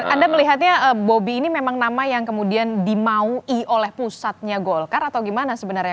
anda melihatnya bobi ini memang nama yang kemudian dimaui oleh pusatnya golkar atau gimana sebenarnya